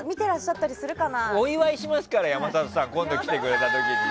お祝いするから、山里さんを今度来てくれた時ね。